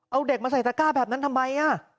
เอาเด็กมาใส่ตะก้าแบบนั้นทำไม